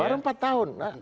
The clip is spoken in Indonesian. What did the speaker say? baru empat tahun